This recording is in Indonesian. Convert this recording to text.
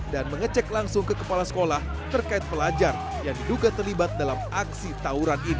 mengecek langsung ke kepala sekolah terkait pelajar yang diduga terlibat dalam aksi tawuran ini